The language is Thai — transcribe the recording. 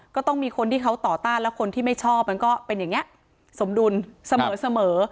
ก็ต้องมีคนที่เขาต่อต้านแล้วคนที่ไม่ชอบมันก็เป็นอย่างนี้สมดุลเสมอ